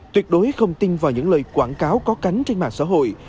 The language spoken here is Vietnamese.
tuyệt đối không tin vào những lời quảng cáo có cánh trên mạng xã hội